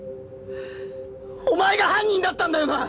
お前が犯人だったんだよな！